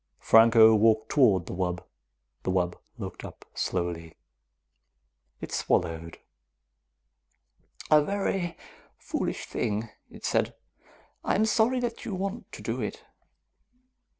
Franco walked toward the wub. The wub looked up slowly. It swallowed. "A very foolish thing," it said. "I am sorry that you want to do it.